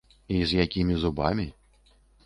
І з якімі зубамі.